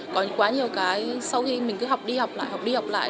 có quá nhiều cái sau khi mình cứ học đi học lại học đi học lại